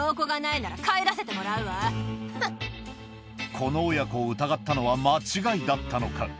この親子を疑ったのは間違いだったのか？